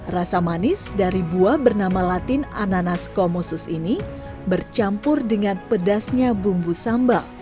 rasa manis dari buah bernama latin ananas comusus ini bercampur dengan pedasnya bumbu sambal